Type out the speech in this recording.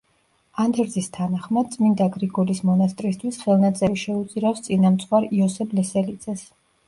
ანდერძის თანახმად, წმინდა გრიგოლის მონასტრისთვის ხელნაწერი შეუწირავს წინამძღვარ იოსებ ლესელიძეს.